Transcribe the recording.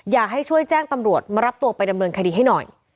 อยากให้ช่วยแจ้งตำรวจมารับตัวไปดำเนินคดีให้หน่อย